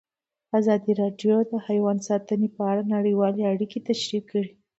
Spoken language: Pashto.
ازادي راډیو د حیوان ساتنه په اړه نړیوالې اړیکې تشریح کړي.